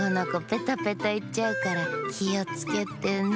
ペタペタいっちゃうからきをつけてね。